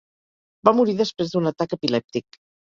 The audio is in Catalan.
Va morir després d'un atac epilèptic.